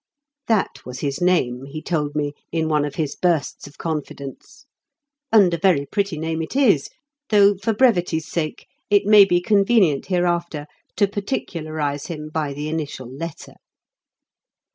That was his name, he told me in one of his bursts of confidence; and a very pretty name it is, though for brevity's sake it may be convenient hereafter to particularise him by the initial letter.